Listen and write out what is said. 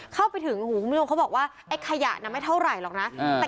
เข้าไปถึงหูคุณผู้ชมเขาบอกว่าไอ้ขยะน่ะไม่เท่าไหร่หรอกนะ